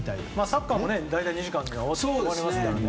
サッカーも大体２時間で終わりますからね。